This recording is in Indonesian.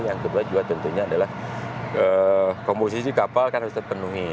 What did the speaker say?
yang kedua juga tentunya adalah komposisi kapal kan harus terpenuhi